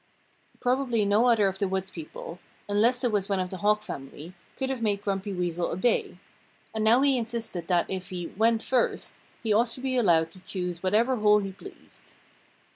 Probably no other of the woods people unless it was one of the Hawk family could have made Grumpy Weasel obey. And now he insisted that if he "went first" he ought to be allowed to choose whatever hole he pleased.